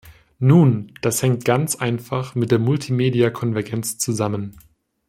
Nun, das hängt ganz einfach mit der Multimediakonvergenz zusammen.